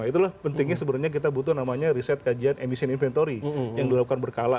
itulah pentingnya sebenarnya kita butuh namanya riset kajian emission inventory yang dilakukan berkala